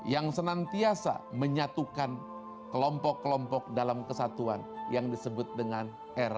yang senantiasa menyatukan kelompok kelompok dalam kesatuan yang disebut dengan era